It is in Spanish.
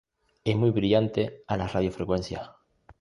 Es muy brillante a las radio-frecuencias.